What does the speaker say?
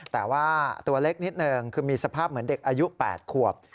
แต่ว่าตัวเล็กนิดนึงคือมีสภาพเหมือนเด็กอายุ๘ขวบ